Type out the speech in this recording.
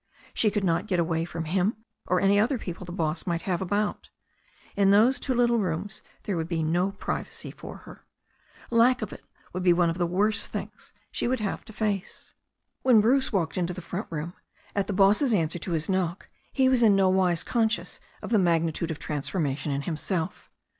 She could not get away from him or any other people the boss might have about. In those two little rooms there would be no privacy THE STORY OF A NEW ZEALAND RIVER 25 for her. Lack of it would be one of the worst things she would have to face. When Bruce walked into the front room at the boss's answer to his knock he was in nowise conscious of the mag nitude of the transformation in himself.